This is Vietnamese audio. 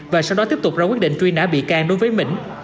và sau đó tiếp tục ra quyết định truy nã bị can đối với mỹ